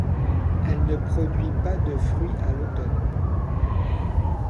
Elle ne produit pas de fruits à l'automne.